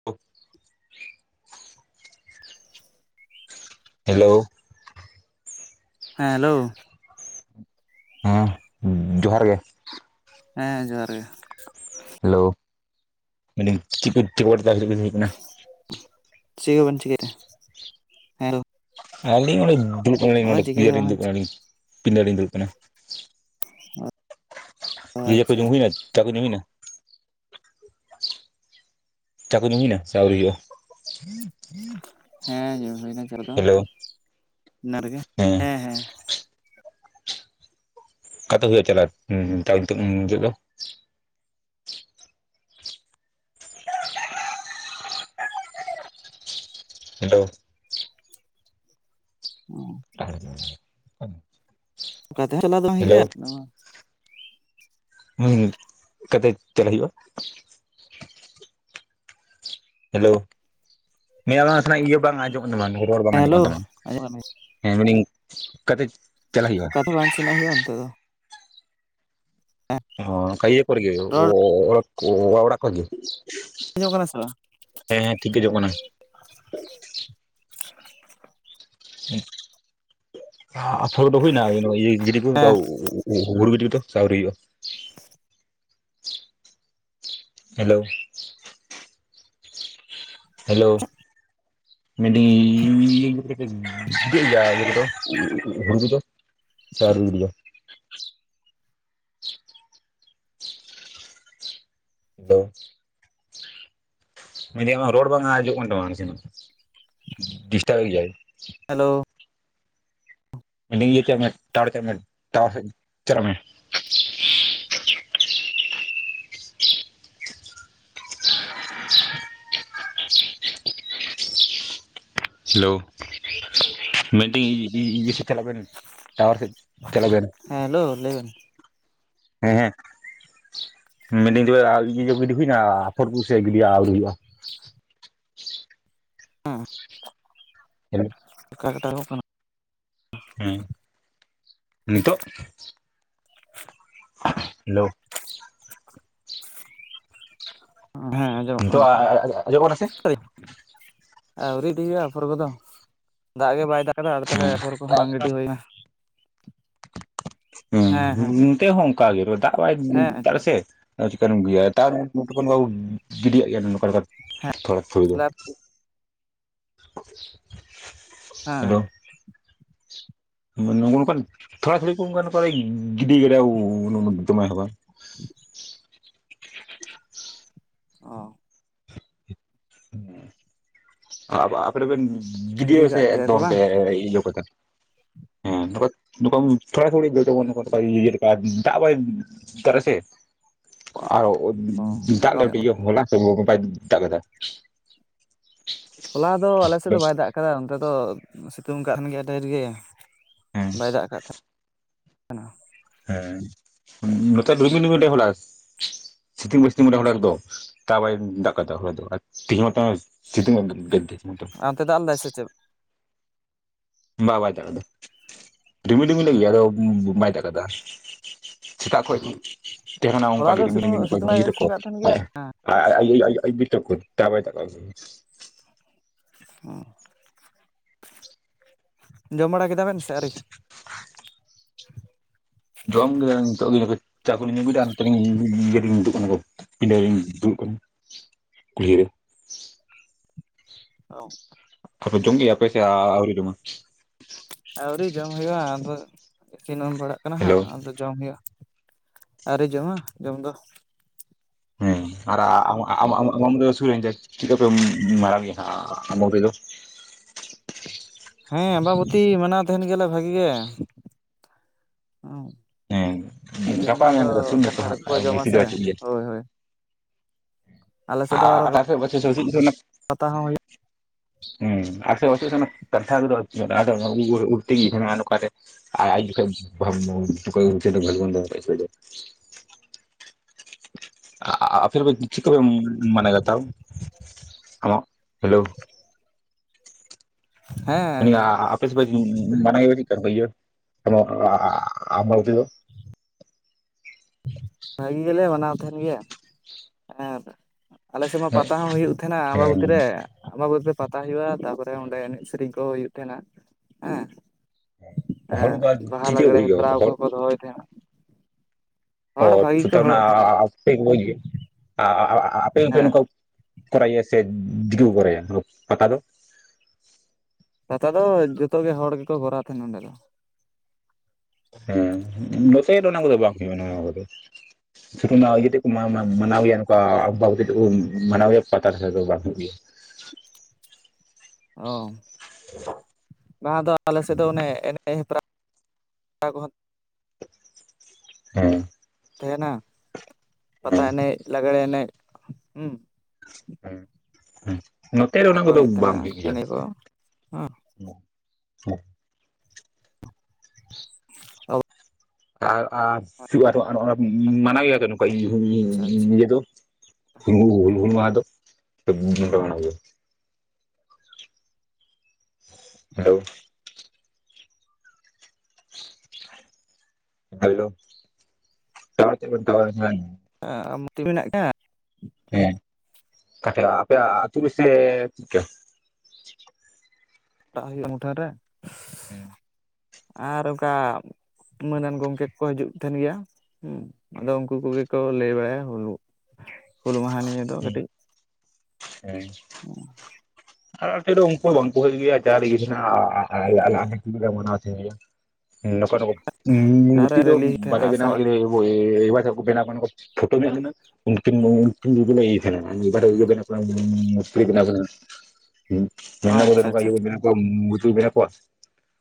[inaudible] Hello. ᱦᱮᱸ hello. ᱦᱮᱸ ᱡᱚᱦᱟᱨ ᱜᱮ᱾ ᱦᱮᱸ ᱡᱚᱦᱟᱨ ᱜᱮ᱾ ᱦᱮᱞᱳ ᱢᱮᱱ ᱫᱟᱹᱧ ᱪᱤᱠᱟᱹ [unintelligible] ᱦᱩᱭᱩᱜ ᱠᱟᱱᱟ? ᱪᱤᱫ ᱠᱚᱸᱵᱤᱱ ᱪᱤᱠᱟᱹ ᱭᱮᱫ ᱛᱮ ᱦᱮᱸᱨᱳ᱾ ᱟᱹᱞᱤᱧ ᱚᱸᱰᱮ ᱫᱩᱲᱩᱵ ᱠᱟᱱᱟ ᱞᱤᱧ ᱱᱚᱰᱮ ᱪᱤᱠᱟᱹ ᱤᱭᱟᱹ ᱜᱮ ᱨᱮ ᱞᱤᱧ ᱵᱟᱝ ᱫᱩᱲᱩᱵ ᱠᱟᱱᱟ ᱞᱤᱧ ᱯᱤᱰᱟᱹ ᱨᱮ ᱞᱤᱧ ᱫᱩᱲᱩᱵ ᱠᱟᱱᱟ᱾ ᱚ᱾ ᱤᱭᱟ ᱠᱚ ᱟᱪᱪᱷᱟ ᱡᱚᱢ ᱦᱩᱭᱱᱟ ᱪᱟ ᱠᱩ ᱧᱩ ᱦᱩᱭᱱᱟ? ᱪᱟ ᱠᱚ ᱧᱩ ᱦᱩᱭᱱᱟ ᱥᱮ ᱟᱹᱣᱨᱤ ᱦᱩᱭᱩᱜᱼᱟ? ᱦᱮᱸ ᱧᱩ ᱦᱩᱭᱱᱟ ᱪᱟᱨ ᱫᱚ ᱦᱮᱞᱳ ᱤᱱᱟ ᱨᱮᱜᱮ᱾ ᱦᱮᱸ᱾ ᱦᱮᱸ᱾ ᱚᱠᱟ ᱛᱮ ᱦᱩᱭᱩᱜᱼᱟ ᱪᱟᱞᱟᱜ ᱛᱟᱣ ᱛᱚ ᱱᱤᱛᱚᱜ ᱫᱚ? ᱦᱮᱞᱳ᱾ ᱚ᱾ [unintelligible] [unintelligible] ᱚᱠᱟ ᱛᱮ ᱪᱟᱞᱟᱣ ᱫᱚ ᱵᱟᱝ ᱦᱩᱭᱩᱜ ᱦᱮᱞᱳ ᱜᱤᱭᱟ ᱱᱚᱣᱟ ᱦᱩ ᱚᱠᱟᱛᱮ ᱪᱟᱞᱟᱜ ᱦᱩᱭᱩᱜᱼᱟ? ᱦᱮᱞᱳ [inaudible] ᱤᱭᱟᱹ ᱵᱟᱝ ᱟᱸᱡᱚᱢᱚᱜ ᱠᱟᱱ ᱛᱟᱢᱟ ᱨᱚᱲ ᱵᱟᱝ ᱟᱸᱡᱚᱜ ᱦᱮᱞᱳ ᱠᱟᱱ ᱛᱟᱢᱟ᱾ ᱟᱸᱡᱚᱢ ᱠᱟᱱ ᱜᱮᱭᱟ ᱦᱮᱸ ᱢᱮᱱᱤᱧ ᱠᱟᱛᱮ ᱚᱠᱟ ᱛᱮ ᱵᱟᱝ ᱥᱮᱱᱚᱜ ᱦᱩᱭᱩᱜ ᱟ ᱱᱤᱛᱚᱜ ᱫᱚ᱾ ᱦᱮᱸ ᱚ ᱚᱠᱟ ᱤᱭᱟᱹᱠᱚᱨᱮᱜ ᱜᱮ ᱚ ᱨᱚᱲ ᱚᱚ ᱚᱲᱟᱜ ᱠᱚᱨᱮ ᱜᱮ? ᱟᱸᱡᱚᱢᱚᱜ ᱠᱟᱱᱟ ᱥᱮ ᱵᱟᱝ? ᱦᱮᱸ ᱴᱷᱤᱠ ᱜᱮ ᱟᱸᱡᱚᱢᱚᱜ ᱠᱟᱱᱟ᱾ ᱟᱯᱷᱚᱨ ᱫᱚ ᱦᱩᱭᱱᱟ ᱤᱭᱟᱹ ᱜᱤᱰᱤ ᱠᱚ ᱚᱝᱠᱟ ᱦᱮᱸ ᱦᱩ ᱦᱩ ᱦᱩᱲᱩ ᱜᱤᱰᱤ ᱠᱚ ᱫᱚ ᱥᱮ ᱟᱹᱣᱨᱤ ᱦᱩᱭᱩᱜ-ᱟ? ᱦᱮᱞᱳ᱾ ᱦᱮᱞᱳ᱾ ᱢᱮᱱᱫᱤᱧ ᱤ ᱤ ᱤᱭᱟᱹ ᱠᱚᱫᱚ ᱯᱮ ᱜᱤᱹᱰᱤ ᱠᱮᱫᱟ ᱤᱭᱟᱹ ᱠᱚᱫᱟᱴᱚ ᱦᱩᱲᱩ ᱠᱚᱫᱚ? ᱥᱮ ᱟᱹᱨᱤ ᱜᱤᱰᱤᱭᱟ? [unintelligible] ᱢᱮᱱᱫᱟᱹᱧ ᱟᱢᱟᱜ ᱨᱳᱲ ᱵᱟᱝ ᱟᱸᱡᱚᱢᱚᱜ ᱠᱟᱱ ᱛᱟᱢᱟ ᱱᱟᱥᱮ ᱱᱟᱜ ᱰᱤᱥᱴᱟᱵ ᱮᱫ ᱜᱮᱭᱟᱭ᱾ ᱦᱮᱞᱳ᱾ ᱢᱮᱱ ᱫᱤᱧ ᱤᱭᱟᱹ ᱪᱟᱜ ᱢᱮ ᱴᱟᱣᱟᱨᱮ ᱪᱟᱜ ᱢᱮ ᱴᱟᱣᱟᱨ ᱪᱟᱞᱟᱜ ᱢᱮ᱾ ᱦᱮᱞᱳ, ᱢᱮᱱ ᱫᱟᱹᱧ ᱤ ᱤ ᱤᱭᱟᱹ ᱥᱮᱫ ᱪᱟᱞᱟᱜ ᱵᱮᱱ᱾ ᱴᱟᱣᱟᱨ ᱥᱮᱫ ᱪᱟᱞᱟᱜ ᱵᱮᱱ᱾ ᱦᱮᱸ ᱦᱮᱞᱳ ᱞᱟᱹᱭ ᱵᱮᱱ᱾ ᱦᱮᱸ ᱦᱮᱸ ᱢᱮᱱ ᱫᱟᱹᱧ ᱛᱚᱵᱮ ᱤᱭᱟᱹ ᱠᱚ ᱜᱤᱰᱤ ᱦᱩᱭᱱᱟ ᱟᱯᱷᱚᱨ ᱠᱚ ᱥᱮ ᱜᱤᱰᱤ ᱟᱹᱣᱨᱤ ᱦᱩᱭᱩᱜᱼᱟ? ᱦᱮᱸ᱾ ᱦᱮᱞᱳ᱾ [unintelligible] ᱦᱮᱸ, ᱱᱤᱛᱳᱜ? ᱦᱮᱞᱳ᱾ ᱦᱮᱸ ᱟᱸᱡᱚᱢᱚᱜ ᱠᱟᱱᱟ ᱱᱤᱛᱚᱜ ᱫᱚ ᱟᱸᱡᱚᱢᱚᱜ ᱠᱟᱱᱟ ᱥᱮ [inaudible] ᱟᱹᱣᱨᱤ ᱰᱤ ᱦᱩᱭᱩᱜ-ᱟ ᱟᱯᱷᱚᱨ ᱠᱚᱫᱚ ᱫᱟᱜ ᱜᱮ ᱵᱟᱭ ᱫᱟᱜ ᱠᱟᱫᱟ ᱟᱫᱚ ᱛᱟᱞᱦᱮ ᱦᱮᱸ ᱟᱯᱷᱚᱨ ᱠᱚ ᱠᱚᱦᱚᱸ ᱵᱟᱝ ᱜᱤᱰᱤ ᱦᱩᱭ ᱠᱟᱱᱟ᱾ ᱦᱮᱸ ᱱᱚᱛᱮ ᱦᱚᱸ ᱚᱱᱠᱟ ᱜᱮ, ᱫᱟᱜ ᱵᱟᱭ ᱦᱮᱸ ᱫᱟᱜ ᱦᱮᱸ ᱫᱟᱥᱮ᱾ ᱪᱤᱠᱟᱨᱮᱢ ᱜᱤᱲᱤᱭᱟ ᱛᱟᱨ ᱱᱚᱛᱮ ᱠᱷᱚᱱ [unintelligible] ᱜᱤᱰᱤᱭᱟᱜ ᱜᱮᱭᱟ ᱱᱚᱝᱠᱟ ᱱᱚᱠᱟ ᱛᱷᱚᱲᱟ ᱛᱷᱚᱲᱤ ᱫᱚ ᱾ ᱦᱮᱸ ᱾ ᱱᱚ ᱱᱚᱝᱠᱟᱱ ᱛᱷᱚᱲᱟ ᱛᱷᱩᱚᱲᱤ ᱠᱚ ᱜᱤᱰᱤ ᱠᱟᱫᱟ ᱫᱚᱢᱮ ᱦᱚ ᱵᱟᱝ ᱾ [unintelligible] ᱚ ᱾ [inaudible] ᱟᱵ ᱟᱯ ᱨᱮᱵᱤᱱ ᱜᱤᱰᱤ ᱜᱤᱰᱤᱭᱟ ᱠᱟᱜ ᱥᱮ ᱜᱮᱭᱟ ᱠᱚ ᱮᱠᱫᱚᱢ ᱵᱮ ᱵᱟᱝ ᱮᱚᱵ ᱟᱠᱟᱱᱟ? ᱦᱮᱸ [unintelligible] ᱛᱷᱚᱲᱟ ᱛᱷᱚᱲᱤ [unintelligible] ᱫᱟᱜ ᱵᱟᱭ [unintelligible] ᱥᱮ ᱟᱨᱚ ᱚ ᱠᱚᱢ ᱧᱚᱜ ᱫᱟᱜ [unintelligible] ᱦᱚᱞᱟ ᱥᱮ ᱵᱟᱭ ᱫᱟᱜ ᱟᱠᱟᱫᱟ ᱾ ᱦᱚᱞᱟ ᱫᱚ ᱟᱞᱮ ᱥᱮᱫ ᱫᱚ ᱵᱟᱭ ᱫᱟᱜ ᱟᱠᱟᱫᱟ ᱱᱚᱱᱛᱮ ᱫᱚ ᱥᱤᱛᱩᱝ ᱠᱟᱜ ᱛᱟᱦᱮᱱ ᱜᱮᱭᱟ ᱰᱷᱮᱨ ᱜᱮ ᱦᱮᱸ ᱾ ᱵᱟᱭ ᱫᱟᱜ ᱟᱠᱟᱫ ᱛᱟᱦᱮᱸᱱᱟ ᱾ ᱦᱮᱸ, ᱱᱚᱛᱮ [unintelligible] ᱦᱚᱞᱟᱥ ᱥᱤᱛᱩᱝ ᱵᱟᱭ ᱥᱤᱛᱩᱝ ᱠᱟᱫᱟ ᱦᱚᱞᱟ ᱮᱠᱫᱚ ᱾ ᱛᱟ ᱵᱟᱭ ᱫᱟᱜ ᱠᱟᱫᱟ ᱫᱚ ᱛᱤᱦᱤᱧ ᱢᱟ ᱛᱚ ᱦᱚᱸᱜ-ᱚ ᱥᱤ ᱥᱤᱛᱩᱝ [unintelligible] ᱟᱨ ᱚᱱᱛᱮ ᱫᱟᱜ ᱞᱮᱫᱟᱭ ᱥᱮ ᱪᱮᱫ? ᱵᱟ ᱵᱟᱭ ᱫᱟᱜ ᱟᱠᱟᱫᱟ ᱾ ᱨᱤᱢᱤᱞ ᱨᱤᱢᱤᱞ ᱞᱮᱜ ᱜᱮᱭᱟᱭ ᱟᱫᱚ ᱵᱟᱭ ᱫᱟᱜ ᱠᱟᱫᱟ, ᱥᱮᱛᱟᱜ ᱠᱷᱚᱡ ᱛᱮᱦᱮ ᱠᱟᱱᱟ ᱚᱱᱠᱟ ᱦᱚᱞᱟ ᱜᱮ ᱫᱚ ᱨᱤᱢᱤᱞ ᱥᱤᱛᱩᱝ ᱨᱤᱢᱤᱞ ᱠᱚ ᱥᱤᱛᱩᱝ ᱵᱟᱭ ᱧᱤᱨᱟ ᱠᱚ ᱥᱤᱛᱩᱝ ᱾ ᱠᱟᱜ ᱛᱟᱦᱮᱱ ᱜᱮᱭᱟ ᱦᱮᱸ [unintelligible] ᱚ, ᱡᱚᱢ ᱵᱟᱲᱟ ᱠᱮᱫᱟ ᱵᱮᱱ ᱥᱮ ᱟᱹᱣᱨᱤ? ᱡᱚᱢ ᱠᱮᱫᱟ ᱱᱤᱛᱚᱜ ᱜᱮ ᱪᱟ ᱠᱩᱞᱤᱧ ᱧᱩ ᱠᱮᱫᱟ ᱱᱚᱛᱮ ᱞᱤᱧ ᱩᱰᱩᱜ ᱠᱟᱱᱟ ᱫᱚ ᱾ ᱯᱤᱸᱰᱟᱹ ᱨᱤᱧ ᱫᱩᱲᱩᱵ ᱟᱠᱟᱱᱟ ᱠᱩᱞᱦᱤ ᱨᱮ ᱾ ᱟᱣ ᱾ ᱟᱯᱮ ᱡᱚᱢ ᱠᱮᱜ-ᱟ ᱯᱮ ᱥᱮ ᱟᱹᱣᱨᱤ ᱡᱚᱢᱟ? ᱟᱹᱣᱨᱤ ᱡᱚᱢ ᱦᱩᱭᱩᱜᱼᱟ ᱟᱫᱚ ᱟᱹᱠᱤᱱ [unintelligible] ᱯᱟᱲᱟᱜ ᱠᱟᱱᱟ ᱦᱟᱸᱜ ᱦᱮᱞᱳ ᱟᱫᱚ ᱡᱚᱢ ᱦᱩᱭᱩᱜᱼᱟ, ᱟᱹᱣᱨᱤ ᱡᱚᱢᱟ ᱡᱚᱢ ᱫᱚ ᱾ ᱦᱮᱸ ᱟᱨ ᱟᱢᱟᱜ ᱟᱢᱟᱜ ᱥᱩᱨ ᱪᱮᱜ ᱠᱟᱯᱮ ᱢᱟᱨᱟᱣ ᱜᱮᱭᱟ ᱦᱟᱸᱜ ᱟᱢᱟᱵᱟᱵᱟᱹᱭ [unintelligible] ᱫᱚ? ᱦᱮᱸ ᱟᱢᱵᱟᱵᱚᱛᱤ ᱢᱟᱱᱟᱣ ᱛᱟᱦᱮᱱ ᱜᱮᱭᱟ ᱞᱮ ᱵᱷᱟᱹᱜᱤ ᱜᱮ ᱾ ᱦᱮᱸ ᱥᱮᱫᱤᱱ ᱢᱟ ᱜᱟᱯᱟ ᱟᱫᱚ ᱢᱮᱭᱟᱝ ᱠᱚᱫᱚ ᱥᱩᱨ ᱱᱟᱛᱚ ᱠᱟᱱᱴᱷᱟᱲ ᱦᱟᱸᱜ ᱠᱚᱠᱚ ᱟᱨ ᱡᱚᱢ ᱵᱮᱥᱤ ᱫᱚ ᱟᱥᱮ, ᱵᱟᱹᱪᱩᱜ ᱜᱮᱭᱟ ᱦᱳᱭ ᱦᱳᱭ ᱾ ᱟᱨᱚ [unintelligible] ᱯᱟᱛᱟ ᱦᱚᱸ ᱦᱩᱭᱩᱜ ᱦᱮᱸ [unintelligible] ᱛᱟᱦᱮᱱᱟ ᱚᱠᱟ ᱨᱮ ᱟᱨ ᱟᱡ ᱡᱚᱠᱷᱚᱡ [unintelligible] ᱟᱯᱮ ᱫᱚᱯᱮ ᱪᱮᱫ ᱠᱚᱯᱮ ᱢᱟᱱᱟᱣ ᱫᱟ ᱛᱟᱣ [unintelligible] ᱦᱮᱞᱳ ᱢᱟᱱᱮ ᱦᱮᱸ ᱟᱯᱮ ᱥᱮ ᱢᱟᱱᱟᱣ ᱜᱮᱭᱟ ᱪᱮᱫᱠᱟ [unintelligible] ᱟᱢᱵᱟᱵᱚᱛᱤ ᱫᱚ? ᱵᱷᱟᱹᱜᱤ ᱜᱮᱞᱮ ᱢᱟᱱᱟᱣ ᱛᱟᱦᱮᱱ ᱜᱮᱭᱟ ᱾ ᱮᱸᱫ ᱟᱞᱮ ᱥᱮᱫ ᱢᱟ ᱯᱟᱛᱟ ᱦᱚᱸ ᱦᱩᱭᱩᱜ ᱛᱟᱦᱮᱸᱱᱟ ᱦᱮᱸ ᱟᱢᱵᱟᱵᱩᱛᱤ ᱨᱮ ᱟᱸᱢᱵᱟᱵᱩᱛᱤ ᱨᱮ ᱯᱟᱛᱟ ᱦᱩᱭᱩᱜᱼᱟ, ᱛᱟᱯᱚᱨᱮ ᱚᱸᱰᱮ ᱮᱱᱮᱡ ᱥᱮᱨᱮᱧ ᱠᱚ ᱦᱩᱭᱩᱜ ᱛᱟᱦᱮᱱᱟ ᱦᱮᱸ ᱾ ᱦᱚᱲ ᱫᱚ ᱦᱮᱸ ᱵᱟᱦᱟ, ᱪᱤᱠᱟᱹ ᱞᱟᱜᱽᱲᱮ ᱦᱩᱭᱩᱜᱼᱟ ᱦᱮᱯᱨᱟᱣ ᱠᱚ ᱦᱚᱲ ᱠᱚ ᱫᱚᱦᱚᱭᱮᱫ ᱛᱟᱦᱮᱸᱱᱟ ᱾ ᱚ ᱟᱪᱪᱷᱟ ᱠᱚ ᱛᱟᱨ ᱦᱚᱲᱚᱜ ᱢᱟᱱᱮ ᱛᱟᱦᱮᱸᱱᱟ ᱟᱯᱮ ᱵᱚᱡᱽ [unintelligible] ᱟᱯᱮ ᱯᱮ [unintelligible] ᱦᱮᱸ ᱱᱚᱠᱟ ᱠᱚᱨᱟᱭ ᱜᱮᱭᱟ ᱥᱮ ᱫᱤᱠᱩ ᱠᱚ ᱠᱚᱨᱟᱭᱟ ᱯᱟᱛᱟ ᱫᱚ? ᱯᱟᱛᱟ ᱫᱚ ᱡᱚᱛᱚ ᱜᱮ ᱦᱚᱲ ᱜᱮᱠᱚ ᱠᱚᱨᱟᱣ ᱛᱟᱦᱮᱱ ᱱᱚᱸᱰᱮ ᱫᱚ ᱾ ᱦᱮᱸ, ᱱᱚᱛᱮ ᱫᱚ ᱚᱱᱟ ᱠᱚᱫᱚ ᱵᱟᱝ ᱦᱩᱭᱩᱜᱼᱟ ᱱᱚᱣᱟ ᱠᱚᱫᱚ ᱾ ᱥᱩᱫᱩ ᱚᱱᱟ ᱤᱭᱟᱹ ᱛᱮᱫ ᱠᱚ ᱢᱟ ᱢᱟᱱᱟᱣ ᱜᱮᱭᱟ ᱱᱚᱝᱠᱟ [unintelligible] ᱟᱢᱵᱟᱵᱚᱛᱤ ᱛᱮᱫ ᱠᱚ ᱢᱟᱱᱟᱣ ᱜᱮᱭᱟ ᱯᱟᱛᱟ ᱞᱮᱠᱟ ᱫᱚ ᱵᱟᱝ ᱦᱩᱭᱩᱜ ᱜᱮᱭᱟ ᱾ ᱚ ᱾ ᱵᱟᱝᱟ ᱟᱫᱚ ᱟᱞᱮ ᱥᱮᱫ ᱫᱚ ᱚᱱᱮ ᱮᱱᱮᱡ ᱦᱮᱯᱨᱟᱣ ᱠᱚᱦᱚᱸ ᱦᱮᱸ᱾ ᱛᱟᱦᱮᱱᱟ ᱯᱟᱛᱟ ᱦᱮᱸ ᱮᱱᱮᱡ ᱞᱟᱜᱽᱲᱮ ᱮᱱᱮᱡ ᱦᱩᱸ᱾ ᱦᱩᱸ ᱦᱩᱸ ᱱᱚᱛᱮ ᱨᱮ ᱚᱱᱟ ᱠᱚ ᱠᱚᱫᱚ ᱮᱱᱮᱡ ᱛᱟᱦᱮᱱᱟ ᱵᱟᱝ ᱦᱩᱭᱩᱜ ᱜᱮᱭᱟ᱾ ᱮᱱᱮᱡ ᱠᱚ ᱦᱮᱸ᱾ [unintelligible] ᱟᱨ ᱟᱨ [unintelligible] ᱢᱟᱱᱟᱣ ᱜᱮᱭᱟ ᱱᱚᱝᱠᱟ ᱟᱪᱪᱷᱟ ᱟᱪᱪᱷᱟ ᱤᱭᱟᱹ ᱫᱚ [unintelligible] ᱦᱩᱞ ᱢᱟᱦᱟ ᱫᱚ ᱥᱮ ᱵᱟᱯᱮ ᱢᱟᱱᱟᱣ ᱜᱮᱭᱟ? ᱦᱮᱞᱳ᱾ ᱦᱮᱞᱳ, ᱴᱟᱣᱟᱨ ᱨᱮ ᱪᱟᱜ ᱵᱮᱱ ᱴᱟᱣᱟᱨ [unintelligible] [inaudible] ᱢᱮᱱᱟᱜ ᱜᱮᱭᱟ᱾ ᱦᱮᱸ ᱠᱟ ᱴᱷᱮᱡ ᱟᱯᱮᱭᱟᱜ ᱟ ᱟᱹᱛᱩ ᱨᱮᱥᱮ ᱪᱮᱫᱠᱟ? ᱴᱟᱜ ᱦᱩᱭᱩᱜᱼᱟ ᱢᱩᱴᱷᱟᱹᱱ ᱨᱮ᱾ ᱦᱩᱸ᱾ ᱟᱨ ᱚᱱᱠᱟ ᱢᱟᱹᱱᱟᱱ ᱜᱚᱝᱠᱮ ᱠᱚᱠᱚ ᱦᱤᱡᱩᱜ ᱛᱷᱟ. ᱱ ᱜᱮᱭᱟ᱾ ᱦᱩᱸ ᱟᱫᱚ ᱩᱱᱠᱩ ᱠᱚᱜᱮ ᱠᱚ ᱞᱟᱹᱭ ᱵᱟᱲᱟᱭᱟ ᱦᱩᱞᱩ ᱦᱩᱞ ᱢᱟᱦᱟ ᱱᱤᱭᱟ. ᱫᱚ ᱠᱟ. ᱴᱤᱡ᱾ ᱦᱮᱸ᱾ ᱟᱞᱮ ᱟᱹᱛᱩ ᱨᱮᱫᱚ ᱩᱱᱠᱩ ᱵᱟᱝ ᱠᱚ ᱦᱤᱡᱩᱜ ᱜᱤᱭᱟ [unintelligible] ᱱᱚᱝᱠᱟ ᱱᱚᱝᱠᱟ ᱟᱨ ᱢᱩᱨᱛᱤ ᱫᱚ ᱨᱮᱞᱤ ᱦᱩᱭᱩᱜ ᱛᱟᱦᱮᱱᱟ ᱵᱟᱞᱮ ᱟᱥᱟᱲ ᱵᱮᱱᱟᱣᱟ ᱟᱞᱮ [unintelligible] [unintelligible] [unintelligible] ᱟᱪᱪᱷᱟ ᱟᱪᱪᱷᱟ ᱠᱚᱣᱟ ᱢᱩᱨᱛᱤ ᱠᱚ ᱵᱮᱱᱟᱣ ᱠᱚᱣᱟ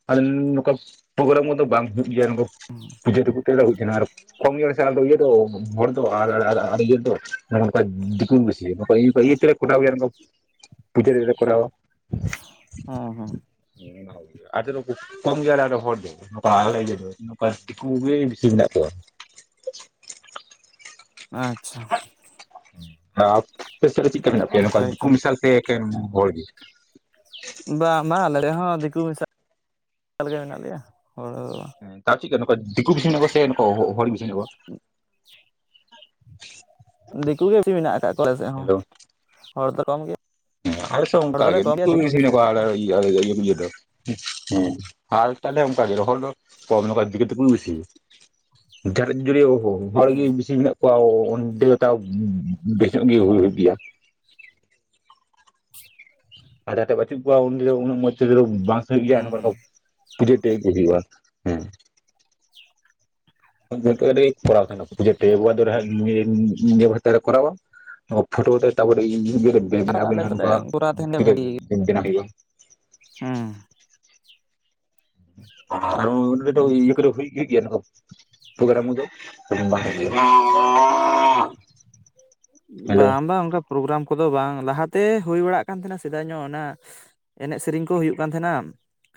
ᱟᱞᱮ ᱱᱚᱝᱠᱟ ᱯᱨᱳᱜᱨᱟᱢ ᱠᱚᱫᱚ ᱵᱟᱝ ᱦᱩ ᱜᱮᱭᱟᱢ ᱱᱚᱝᱠᱟ ᱯᱩᱡᱟᱹ ᱨᱮᱠᱚ [unintelligible] ᱫᱤᱠᱩ ᱜᱤ ᱵᱮᱥᱤᱭᱟ ᱱᱚᱝᱠᱟ ᱤᱭᱟ. ᱛᱮᱞᱮ ᱠᱚᱴᱟᱣ ᱜᱮᱭᱟ ᱯᱩᱡᱟᱹ ᱨᱮ ᱠᱚᱨᱟᱣ- ᱟ᱾ ᱦᱚᱸ ᱦᱚᱸ᱾ [unintelligible] ᱠᱚᱢ ᱜᱮᱭᱟᱞᱮ ᱟᱞᱮ ᱦᱚᱲ ᱫᱚ, ᱱᱚᱝᱠᱟ ᱟᱞᱮ ᱤᱭᱟᱹ ᱫᱚ, ᱱᱚᱝᱠᱟ ᱫᱤᱠᱩ ᱜᱮ ᱵᱮᱥᱤ ᱢᱮᱱᱟᱜ ᱠᱚᱣᱟ᱾ ᱟᱪᱪᱷᱟ ᱟᱯᱮ ᱥᱮ ᱨᱮ ᱪᱮᱫᱠᱟ ᱢᱮᱱᱟᱜ ᱯᱮᱭᱟ ᱱᱚᱝᱠᱟ ᱱᱟᱯᱟᱭ ᱫᱤᱠᱩ ᱛᱚ ᱢᱮᱥᱟ? ᱥᱮ ᱮᱠᱮᱱ ᱦᱚᱲ ᱜᱮ? ᱵᱟᱝ ᱵᱟᱝ ᱟᱞᱮᱲᱮ ᱦᱚᱸ ᱫᱤᱠᱩ ᱢᱮᱥᱟᱜ ᱮᱠᱟᱞ ᱜᱮ ᱢᱮᱱᱟᱜ ᱞᱮᱭᱟ ᱦᱚᱲ ᱛᱟᱣ ᱪᱮᱫᱠᱟ ᱱᱚᱝᱠᱟ ᱫᱤᱠᱩ ᱵᱮᱥᱤ ᱢᱮᱱᱟ ᱠᱚᱣᱟ ᱥᱮ ᱱᱚᱝᱠᱟ ᱦᱚ ᱦᱚᱲ ᱵᱮᱥᱤ ᱢᱮᱟᱜ ᱠᱟᱣᱟ? ᱫᱤᱠᱩ ᱜᱮ ᱵᱮᱥᱤ ᱢᱮᱱᱟᱜ ᱟᱠᱟᱫ ᱠᱚᱣᱟ ᱟᱞᱮ ᱥᱮᱫ ᱦᱚᱸ ᱦᱚᱲ ᱫᱚ ᱠᱚᱢ ᱜᱮ᱾ ᱦᱮᱸ ᱟᱞᱮ ᱥᱮᱫ ᱦᱚᱸ ᱚᱱᱠᱟ ᱜᱮ ᱫᱤᱠᱩ ᱜᱮ ᱵᱮᱥᱤ ᱢᱮᱱᱟᱜ ᱠᱚᱣᱟ [unintelligible] [unintelligible] [unintelligible] ᱦᱚᱲ ᱦᱩᱸ ᱜᱮ ᱢᱮᱱᱟᱜ ᱠᱚᱣᱟ ᱚᱸᱰᱮ ᱫᱚ ᱛᱟᱣ ᱵᱮᱥᱤ ᱧᱚᱜ ᱜᱮ ᱦᱩ ᱦᱩᱭᱩᱜ ᱜᱮᱭᱟ᱾ ᱟᱨ ᱡᱟᱦᱟᱸ ᱴᱷᱮᱡ ᱵᱟᱪᱩᱜ ᱠᱚᱣᱟ ᱩᱱ ᱩᱱᱟᱹᱜ ᱢᱚᱡᱽ ᱛᱮᱫᱚ ᱵᱟᱝ ᱦᱩᱭᱩᱜ ᱜᱮᱭᱟ ᱦᱩᱸ ᱱᱚᱝᱠᱟᱱ ᱦᱩᱸ ᱱᱚᱝᱠᱟ ᱯᱩᱡᱟ. ᱛᱮᱫ ᱦᱩᱭᱩᱜᱼᱟ᱾ ᱦᱮᱸ [unintelligible] [unintelligible] ᱟᱨ ᱟᱞᱮ ᱫᱚᱞᱮ ᱠᱚᱨᱟᱣ ᱛᱟᱦᱮᱱ ᱜᱮᱭᱟ ᱵᱷᱟᱹᱜᱤ [unintelligible] ᱦᱩᱸ᱾ [unintelligible] ᱦᱩᱭᱩᱜ ᱜᱮᱭᱟ ᱱᱚᱠᱟ ᱯᱳᱜᱨᱟᱢ ᱠᱚᱫᱚ [inaudible] ᱵᱟᱝ ᱦᱩᱭᱩᱜ ᱜᱮᱭᱟ᱾ ᱦᱮᱞᱳ ᱵᱟᱝ ᱵᱟᱝ ᱚᱱᱠᱟ ᱯᱨᱳᱜᱨᱟᱢ ᱠᱚᱫᱚ ᱵᱟᱝ ᱞᱟᱦᱟ ᱛᱮ ᱦᱳᱭ ᱵᱟᱲᱟᱜ ᱠᱟᱱ ᱛᱟᱦᱮᱱᱟ ᱥᱮᱫᱟᱭ ᱧᱚᱜ ᱚᱱᱟ ᱮᱱᱮᱡ ᱥᱮᱨᱮᱧ ᱠᱚ ᱦᱳᱭᱳᱜ ᱠᱟᱱ ᱛᱟᱦᱮᱱᱟ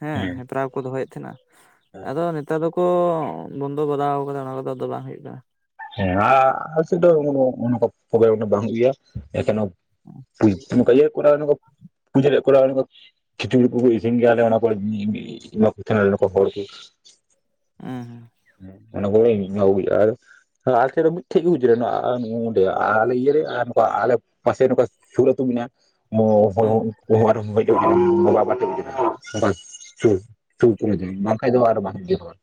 ᱦᱮᱸ ᱦᱮᱯᱨᱟᱣ ᱠᱚ ᱫᱚᱦᱚᱭᱮᱫ ᱛᱟᱦᱮᱱᱟ, ᱟᱫᱚ ᱱᱮᱛᱟᱨ ᱫᱚᱠᱚ ᱵᱚᱱᱫᱚ ᱵᱟᱲᱟᱣ ᱠᱟᱫᱟ ᱚᱱᱟ ᱠᱚᱫᱚ ᱟᱫᱚ ᱵᱟᱝ ᱦᱚᱭᱳᱜ ᱠᱟᱱᱟ ᱾ ᱦᱮᱸ ᱟ ᱟᱞᱮ ᱥᱮᱫ ᱫᱚ ᱚ ᱚᱱᱠᱟ ᱯᱨᱳᱜᱨᱟᱢ ᱠᱚ ᱵᱟᱝ ᱦᱩᱭᱩᱜ ᱜᱮᱭᱟ [unintelligible] ᱾ [unintelligible] ᱱᱚᱝᱠᱟ ᱤᱭᱟ ᱠᱚᱨᱟᱣ ᱯᱩᱡᱟᱹ ᱨᱮᱱᱟᱜ ᱠᱚᱨᱟᱣ [unintelligible] ᱠᱷᱤᱪᱩᱲᱤ ᱠᱚᱞᱮ ᱤᱥᱤᱱ ᱜᱮᱭᱟ ᱱᱚᱠᱟ ᱮᱢᱟ ᱠᱚ ᱛᱟᱦᱮᱱᱟ ᱞᱮ ᱱᱚᱠᱟ ᱦᱚᱲ ᱠᱚ ᱾ ᱩᱸ ᱦᱩᱸ ᱾ [unintelligible] ᱟᱞᱮ ᱥᱮᱫ ᱨᱮ ᱢᱤᱫᱴᱷᱮᱡ ᱜᱮ ᱦᱩᱡᱨᱩᱱ-ᱟ ᱟ ᱟᱞᱮ ᱤᱭᱟᱹ ᱨᱮ ᱟᱨ ᱱᱚᱝᱠᱟ ᱟᱞᱮ ᱯᱟᱥᱮ ᱱᱚᱝᱠᱟ ᱥᱩᱨ ᱟᱹᱛᱩ ᱢᱮᱱᱟᱜ-ᱟ ᱦᱳ ᱦᱮᱸ ᱦᱳᱭ ᱚᱸᱰᱮ [unintelligible] ᱫᱩ ᱥᱩᱨ ᱠᱚᱨᱮ ᱫᱚ ᱵᱟᱝ ᱠᱷᱟᱡ ᱫᱚ ᱟᱨ ᱵᱟᱝ ᱤᱭᱟᱹ ᱫᱚ ᱵᱟᱝ ᱾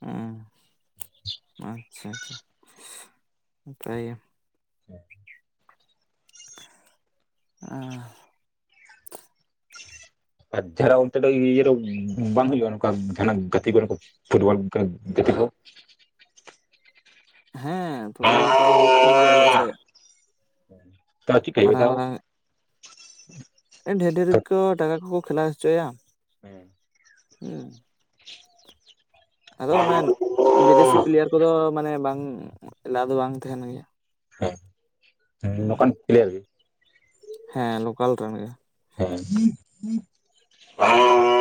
ᱩᱸ ᱟᱪᱪᱷᱟ ᱟᱪᱪᱷᱟ, ᱱᱟᱯᱟᱭ ᱜᱮ ᱾ [unintelligible] ᱟ ᱟᱨ ᱡᱟᱦᱟᱱᱟᱜ ᱚᱱᱛᱮ ᱫᱚ ᱤᱭᱟᱹ ᱠᱚ ᱵᱟᱝ ᱦᱩᱭᱩᱜ-ᱟ ᱱᱟᱝᱠᱟᱱ ᱡᱟᱦᱟᱱᱟᱜ ᱜᱟᱛᱮ [unintelligible] ᱠᱚ? ᱯᱷᱩᱴᱵᱚᱞ ᱜᱟ ᱜᱟᱛᱤ ᱠᱚ? ᱦᱮᱸ ᱯᱷᱩᱴᱵᱚᱞ ᱜᱟᱛᱮ ᱠᱚ ᱦᱩᱭᱩᱜ ᱠᱟᱱ ᱜᱮᱭᱟ ᱟᱞᱮ ᱥᱮᱜ ᱾ ᱛᱟᱣ ᱪᱮᱫᱠᱟ ᱦᱩᱭᱩᱜ-ᱟ ᱛᱟᱣ? ᱢᱟᱨᱟᱝ ᱰᱷᱮᱨ ᱰᱷᱮᱨ ᱜᱮᱠᱚ ᱴᱟᱠᱟ ᱠᱚᱠᱚ ᱠᱷᱮᱞᱟ ᱦᱚᱪᱚᱭᱟ ᱾ ᱦᱩᱸ ᱾ ᱦᱩᱸ ᱾ ᱟᱫᱚ ᱚᱱᱮ ᱵᱤᱫᱮᱥᱤ ᱯᱞᱤᱭᱟᱨ ᱠᱩᱫᱚ ᱢᱟᱱᱮ ᱵᱟᱝ ᱮᱞᱟᱣ ᱫᱚ ᱵᱟᱝ ᱛᱟᱦᱮᱱ ᱜᱮᱭᱟ ᱾ ᱦᱮᱸ ᱱᱳᱠᱟᱱ ‌ᱯᱤᱞᱤᱭᱟᱨ ᱜᱮ ᱾ ᱦᱮᱸ ᱞᱳᱠᱟᱞ ᱨᱮᱱ ᱜᱮ ᱾ ᱦᱮᱸ᱾ [inaudible]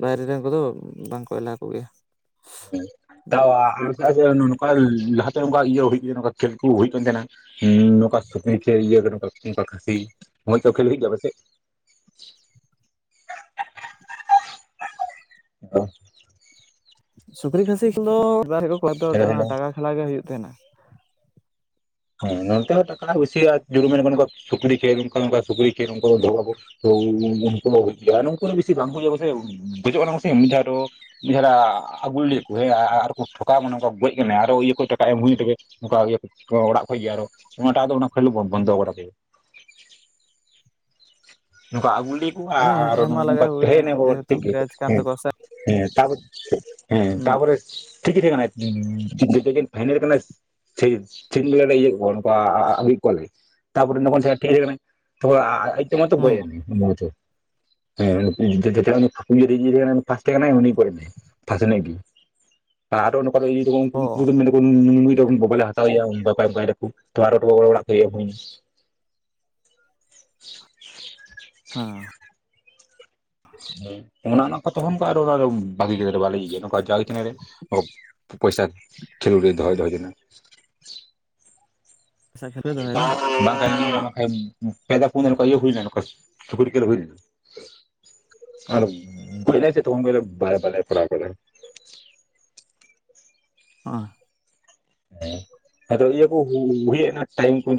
ᱵᱟᱭᱨᱮ ᱨᱮᱱ ᱠᱚᱫᱚ ᱵᱟᱝᱠᱚ ᱮᱞᱟᱣ ᱠᱚ ᱜᱮᱭᱟ ᱾ ᱦᱮᱸ ᱛᱟᱣ ᱟ ᱟᱪᱷᱟ ᱡᱮ ᱱᱚᱠᱟ ᱞᱟᱦᱟ ᱛᱮ ᱚᱝᱠᱟ ᱤᱭᱟᱹ ᱦᱩᱭ ᱤᱭᱟᱹ ᱱᱚᱠᱟ ᱠᱷᱮᱞ ᱠᱩ ᱦᱩᱭᱩᱜ ᱠᱟᱱ ᱛᱮᱦᱮᱱᱟ? ᱦᱩᱻᱸ ᱱᱚᱝᱠᱟ ᱥᱩᱠᱨᱤ ᱪᱮ ᱤᱭᱟᱹ ᱱᱚᱝᱠᱟ ᱱᱚᱝᱠᱟ ᱠᱷᱟᱹᱥᱤ ᱦᱳᱭ ᱚᱝᱠᱟ ᱠᱷᱮᱞ ᱦᱩᱭᱩᱜ ᱜᱮᱭᱟ ᱟᱯᱮ‌ ᱥᱮᱜ? ᱵᱟ ᱾ ᱥᱩᱠᱨᱤ ᱠᱷᱟᱹᱥᱤ ᱠᱷᱮᱞ ᱫᱚ ᱢᱤᱫ ᱵᱟᱨ [unintelligible] ᱫᱚ ᱦᱮᱞᱳ ᱚᱱᱟ ᱦᱮᱞᱳ ᱴᱟᱠᱟ ᱠᱷᱮᱞᱟ ᱜᱮ ᱦᱩᱭᱩᱜ ᱛᱮᱦᱮᱱᱟ ᱾ ᱦᱮᱸ ᱱᱚᱛᱮ ᱦᱚᱸ ᱴᱟᱠᱟ ᱵᱤᱥᱤ ᱟᱨ ᱡᱩᱫᱩ ᱢᱮᱱ ᱢᱮ ᱱᱚᱠᱟ ᱥᱩᱠᱨᱤ ᱪᱮ ᱚᱱᱠᱟ ᱱᱚᱠᱟ ᱥᱩᱠᱨᱤ ᱪᱮ ᱱᱚᱝᱠᱟ ᱱᱚᱝᱠᱟ ᱥᱩᱠᱨᱤ ᱪᱮ ᱫᱚᱦᱚᱣᱟ ᱵᱚ ᱾ ᱛᱳ ᱩ ᱩᱱᱩᱠᱩ ᱫᱚ ᱵᱤᱥᱤ ᱟᱨ ᱱᱩᱝᱠᱩ ᱫᱚ ᱵᱮᱥᱤ ᱵᱟᱝ ‌ᱠᱚ ᱤᱭᱟᱹ ᱠᱚᱛᱮ ᱜᱚᱡᱚᱜ ᱠᱟᱱᱟ ᱠᱚ ᱥᱤᱢ ᱫᱷᱟᱣ ᱫᱚ ᱢᱤᱫ ᱫᱷᱟᱣ ᱞᱮ ᱟ ᱟᱜᱩ ᱞᱮᱜ ᱠᱚ ᱦᱮᱸ ᱟᱻᱟᱨ ᱠᱚ ᱴᱷᱚᱠᱟᱣ ᱵᱚᱱᱟ ᱚᱱᱠᱟ ᱜᱚᱡ ᱠᱟᱱᱟ ᱟᱨᱚ ᱤᱭᱟᱹ ᱠᱚ ᱴᱟᱠᱟ ᱮᱢ ᱦᱩᱭᱩᱜ ᱛᱟᱠᱳ ᱾ ᱱᱚᱠᱟ ᱤᱭᱟᱹ ᱠᱩᱡ ᱚᱲᱟᱜ ᱠᱷᱚᱡ ᱜᱮ ᱟᱨᱚ ᱚᱱᱟ ᱴᱟᱜ ᱫᱚ ᱚᱱᱟ ᱠᱷᱮᱞ ᱫᱚ ᱵᱚᱱᱫᱚ ᱵᱟᱲᱟ ᱠᱮᱫᱟ ᱾ ᱱᱚᱝᱠᱟ ᱟᱜᱩ ᱞᱤ ᱠᱩᱣᱟ ᱦᱮᱸ ᱟᱨᱚ ᱮᱢ ᱱᱚ ᱢᱟ ᱱᱚᱝᱠᱟ ᱞᱟᱜᱟᱣ ᱠᱚᱜᱮᱭᱟ ᱛᱮᱦᱮᱱᱮ ᱦᱚᱲ ᱡᱮᱦᱮᱛᱩ ᱴᱷᱤᱠ ᱜᱮ ᱯᱨᱟᱭᱤᱡᱽ ᱠᱟᱱ ᱦᱮᱸ ᱛᱟᱠᱚᱣᱟ ᱥᱮ ᱦᱮᱸ ᱛᱟᱯᱚᱨ ᱦᱮᱸ ᱦᱩᱸ ᱛᱟᱯᱚᱨᱮ ᱴᱷᱤᱠ ᱜᱮ ᱛᱮᱦᱮᱸ ᱠᱟᱱᱟ ᱡᱮ ᱫᱤᱱ ᱯᱷᱟᱭᱱᱮᱞ ᱠᱟᱱᱟ ᱪᱷᱮ ᱪᱷᱮ ᱫᱤᱱ ᱜᱮᱞᱮ ᱤᱭᱟᱹᱮᱫ ᱠᱚᱣᱟ ᱱᱚᱠᱟ ᱟᱼᱟᱹᱜᱩᱭᱮᱜ ᱠᱚᱣᱟ ᱞᱮ ᱾ ᱛᱟᱯᱚᱨᱮ ᱱᱚᱠᱟᱱ [unintelligible] ᱛᱟᱯᱚᱨ ᱟᱭᱩᱵ ᱛᱮᱢᱚᱱ ᱛᱚ ᱜᱚᱡ ᱦᱩᱸ ᱮᱱᱟᱭ ᱚᱱᱟ [unintelligible] ᱦᱮᱸ [unintelligible] [unintelligible] ᱤᱭᱟᱹ ᱛᱟᱦᱮᱱ ᱠᱟᱱᱟᱭ ᱯᱷᱟᱥᱴ ᱛᱟᱦᱮᱸ ᱠᱟᱱᱟᱭ ᱩᱱᱤ ᱜᱚᱡ ᱱᱟᱭ ᱯᱷᱟᱥ ᱮᱮᱱᱮᱡ ᱜᱤ ᱾ ᱟᱨᱚ ᱱᱚᱝᱠ‌ᱟ ᱫᱚ ᱤᱭᱟᱹᱭ‌ ᱫᱟᱹᱠᱩ ᱩᱱᱠᱩ ᱚ ᱢᱮᱱ ᱫᱟᱹᱠᱩ ᱱᱩ ᱱᱩᱭ ᱫᱚ ᱵᱟ ᱵᱟᱞᱮ ᱦᱟ ᱦᱟᱛᱟᱣᱮᱭᱟ [unintelligible] ᱚᱱᱠᱟᱭ ᱫᱟᱠᱚ ᱛᱚ ᱟᱨᱚ ᱰᱚ ᱚᱻᱚᱲᱟᱜ ᱠᱷᱚᱡ ᱤᱭᱟᱹ ᱮᱢ ᱦᱩᱭᱮᱱᱟ ᱾ [inaudible] ᱦᱮᱸ ᱾ [unintelligible] ᱦᱮᱸ ᱚᱱᱟ ᱚᱱᱟ ᱠᱚ ᱛᱚᱠᱷᱚᱱ ᱠᱚ ᱟᱨᱚ ᱚᱱᱟ ᱫᱚ ᱵᱟᱜᱤ ᱠᱤᱫᱟ ᱞᱮ ᱵᱟᱞᱮ ᱤᱭᱟᱹ ᱱᱚᱝᱠᱟ [unintelligible] ᱨᱮ ᱯᱚ ᱯᱚᱭᱥᱟ ᱠᱷᱮᱞᱳᱰ ᱜᱮ ᱫᱚᱦᱚᱭ ᱫᱚᱦᱚᱭ ᱛᱟᱦᱮᱱᱟ ᱾ ᱯᱚᱭᱥᱟ ᱠᱷᱮᱞ ᱯᱮ ᱫᱚᱦᱚᱭᱟ ᱵᱟᱝ ᱵᱟᱝᱠᱷᱟᱡ [inaudible] ᱯᱮ ᱫᱷᱟᱣ ᱯᱩᱱ ᱫᱷᱟᱣ ᱱᱚᱠᱟ ᱤᱭᱟᱹ ᱦᱩᱭ ᱱᱟ ᱱᱚᱠᱟ ᱥᱩᱠᱨᱤ ᱠᱷᱮᱞ ᱦᱩᱭ ᱞᱮᱱᱟ ᱾ ᱟᱨ ᱜᱚᱡ ᱱᱟᱭ ᱥᱮ ᱛᱚ ᱛᱚᱠᱷᱚᱱ ᱠᱷᱚᱡ ᱞᱮ ᱵᱟᱭ ᱵᱟᱞᱮ ᱠᱚᱨᱟᱣ ᱫᱟᱞᱮ ᱾ ᱚᱸ ᱾ ᱦᱮᱸ‌᱾ ᱟᱫᱚ ᱤᱭᱟᱹ ᱠᱩ ᱦᱩᱭ ᱦᱮᱡ ᱱᱟ ᱴᱟᱭᱤᱢ ᱠᱩ [unintelligible] ᱫ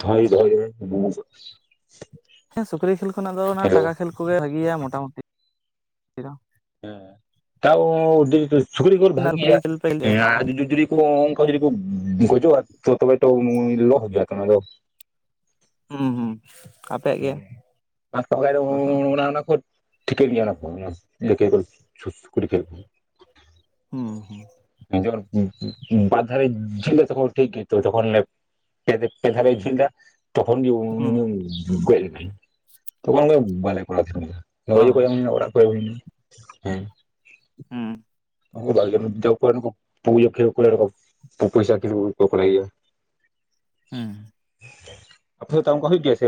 ᱫᱚᱦᱚᱭ ᱫᱚᱦᱚᱭ ᱵᱮᱱ ᱦᱳᱭ ᱥᱮ ᱾ [unintelligible] ᱦᱮᱸ ᱥᱩᱠᱨᱤ ᱠᱷᱮᱞ ᱠᱷᱚᱱᱟᱜ ᱫᱚ ᱚᱱᱟ ᱴᱟᱠᱟ ᱠᱷᱮᱞ ᱠᱚᱜᱮ ᱵᱷᱟᱹᱜᱤᱭᱟ ᱢᱚᱴᱟᱼᱢᱩᱴᱤ ᱴᱤ ᱫᱚ‌ ᱾ ᱦᱮᱸ ᱛᱟᱣ ᱟᱹᱰᱤ [unintelligible] ᱪᱷᱩᱠᱨᱤ ᱠᱩᱨ ᱥᱩᱠᱨᱤ ᱵᱷᱟᱜᱤᱭᱟ ᱠᱷᱮᱞ ᱯᱮ ᱞᱟᱹᱭ ᱦᱮᱸ ᱟᱞᱮ ᱟᱨ ᱡᱤ ᱡᱩᱫᱤ ᱠᱚ ᱚᱝᱠᱟ ᱡᱩᱫᱤ ᱠᱩ ᱜᱚ ᱜᱚᱡᱚᱜ-ᱟ ᱛᱚ ᱛᱚᱵᱮ ᱛᱚ ᱩᱸᱻ ᱞᱚᱥ ᱜᱮᱭᱟ ᱛᱚ ᱚᱱᱟ ᱫᱚ ᱾ ᱦᱩᱸ ᱦᱩᱸ, ᱟᱯᱮ ᱦᱮᱸ ᱟᱫᱚ [unintelligible] ᱚᱱᱟ ᱚᱱᱟ ᱠᱚ ᱴᱷᱤᱠᱟᱹ ᱜᱮᱭᱟ ᱚᱱᱟ ᱠᱚ ᱚᱱᱟ ᱤᱭᱟᱹ [unintelligible] ᱠᱮ ᱜᱳ ᱥᱩᱼᱼᱥᱩᱠᱨᱤ‌ ᱠᱷᱮᱞ ᱠᱩ ᱾ ᱦᱩᱸ ᱦᱩᱸ᱾ ᱮᱸ ᱡᱚᱨ ᱩᱸᱼᱼᱩᱸᱼᱼᱩᱸ ᱵᱟᱨ ᱫᱷᱟᱨᱮ [unintelligible] ᱡᱮ ᱞᱮᱜ ᱛᱟᱠᱚ ᱴᱷᱤᱠ ᱜᱮ ᱛᱚ ᱛᱚᱠᱷᱚᱱ ᱞᱮ ᱼᱼ ᱯᱮ ᱫᱮ ᱯᱮ‌ ᱫᱷᱟᱣ ᱞᱮ‌ ᱡᱷᱟᱹᱞᱟ ᱛᱚᱠᱷᱚᱱ ᱜᱮ ᱦᱩᱸ ᱾ ᱩᱱᱤ ᱜᱚᱡ ᱞᱮᱱᱟᱭ ᱛᱚᱠᱷᱚᱱ ᱜᱮ ᱵᱟᱞᱮ ᱠᱚᱨᱟᱣ ᱛᱟᱦᱮᱱ ᱜᱤᱭᱟ ᱚ ᱚᱭ ᱠᱚᱭ ᱮᱢ ᱦᱩᱭ ᱱᱟ ᱚᱲᱟᱜ ᱠᱷᱚᱡ ᱮᱢ ᱦᱩᱭ ᱱᱟ ᱾ ᱦᱮᱸ ᱾ ᱦᱩᱸ ᱾ [unintelligible] ᱢᱤᱫ ᱫᱚ [unintelligible] ᱯᱚᱭᱥᱟ ᱠᱷᱮᱞ ᱠᱚ ᱠᱚᱨᱟᱣ ᱜᱮᱭᱟ ᱾ ᱦᱩᱸ ᱾ ᱟᱯᱮ ᱥᱮᱫ ᱛᱟᱢ ᱚᱱᱠᱟ ᱦᱩᱭᱩᱜ ᱜᱮᱭᱟ ᱥᱮ